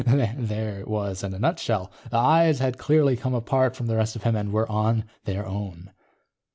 _ There it was in a nutshell. The eyes had clearly come apart from the rest of him and were on their own.